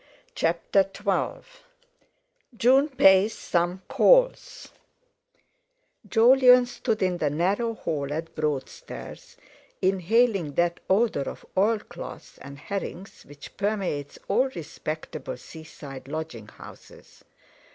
CHAPTER XII JUNE PAYS SOME CALLS Jolyon stood in the narrow hall at Broadstairs, inhaling that odour of oilcloth and herrings which permeates all respectable seaside lodging houses.